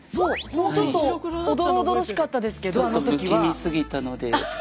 もうちょっとおどろおどろしかったですけどあの時は。え？